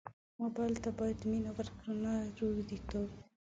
موبایل ته باید مینه ورکړو نه روږديتوب.